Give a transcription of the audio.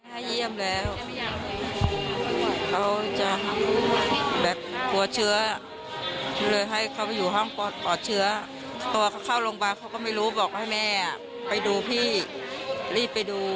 มาเยี่ยมเขาก็บอกให้แม่กับพ่อวิ่งมาดูพี่